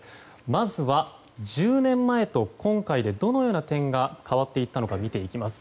まずは１０年前と今回でどのような点が変わっていったのか見ていきます。